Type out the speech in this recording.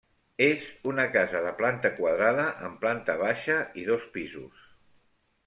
És una casa de planta quadrada, amb planta baixa i dos pisos.